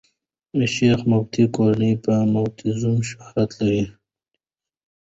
د شېخ متی کورنۍ په "متي زي" شهرت لري.